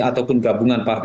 ataupun gabungan partai